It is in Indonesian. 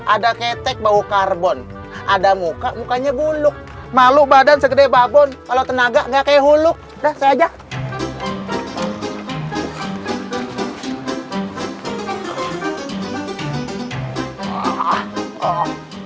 ada ketek bau karbon ada muka mukanya buluk malu badan segede babon kalau tenaga nggak kayak hulu saya ajak